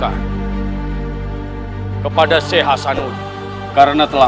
hai kepada seat hasanudin karena telah